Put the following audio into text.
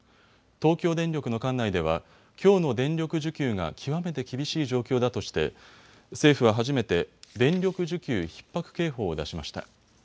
東京電力の管内ではきょうの電力需給が極めて厳しい状況だとして政府は初めて電力需給ひっ迫警報を出しました。